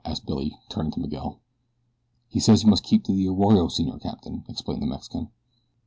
asked Billy, turning to Miguel. "He says you must keep to the arroyo, Senor Capitan," explained the Mexican.